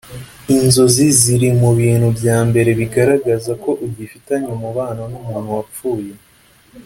Inzozi ziri mu bintu bya mbere bigaragaza ko ugifitanye umubano n’umuntu wapfuye